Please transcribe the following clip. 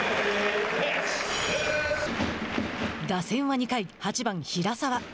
打線は２回８番平沢。